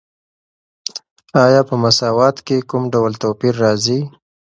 آیا په مساوات کې کوم ډول توپیر راځي؟